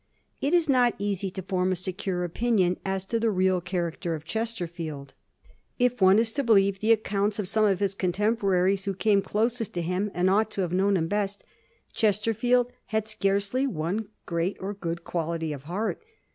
It is not easy to form a secure opinion as to the real character of Chesterfield. If one is to believe the accounts of some of the contemporaries who came closest to him and ought to have known him best, Chesterfield had scarcely one gi*eat or good quality of heart.